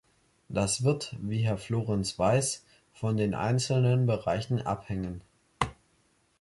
Das wird, wie Herr Florenz weiß, von den einzelnen Bereichen abhängen.